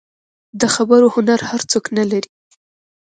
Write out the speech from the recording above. د خبرو هنر هر څوک نه لري.